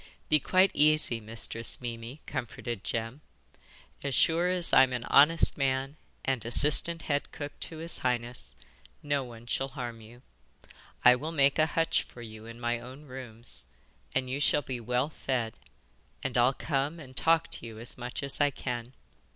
'Be quite easy, Mistress Mimi,' comforted Jem. 'As sure as I'm an honest man and assistant head cook to his highness, no one shall harm you. I will make a hutch for you in my own rooms, and you shall be well fed, and I'll come and talk to you as much as I can.